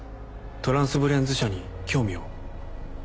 トランスブレインズ社に興味を？